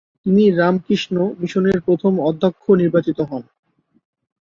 তিনি রামকৃষ্ণ মিশনের প্রথম অধ্যক্ষ নির্বাচিত হন।